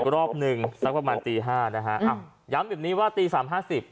รอบหนึ่งสักประมาณตีห้านะฮะอ้าวย้ำแบบนี้ว่าตีสามห้าสิบ